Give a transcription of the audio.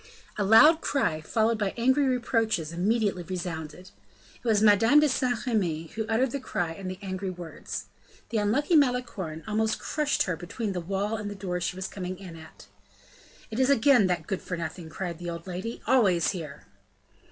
A loud cry, followed by angry reproaches, immediately resounded. It was Madame de Saint Remy who uttered the cry and the angry words. The unlucky Malicorne almost crushed her between the wall and the door she was coming in at. "It is again that good for nothing!" cried the old lady. "Always here!"